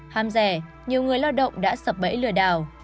hàm rẻ nhiều người lao động đã sập bẫy lừa đảo